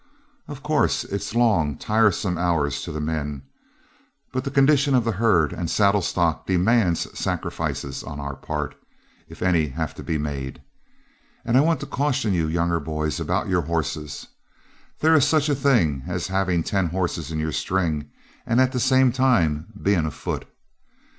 Of course, it's long, tiresome hours to the men; but the condition of the herd and saddle stock demands sacrifices on our part, if any have to be made. And I want to caution you younger boys about your horses; there is such a thing as having ten horses in your string, and at the same time being afoot.